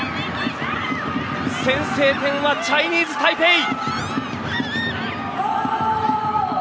先制点はチャイニーズタイペイ。